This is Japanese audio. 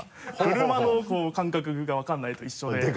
車の感覚が分からないのと一緒で。